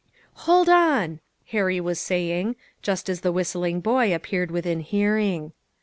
" Hold on," Harry was saying, just as the whistling boy appeared within hearing.